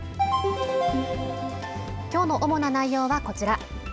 きょうの主な内容はこちら。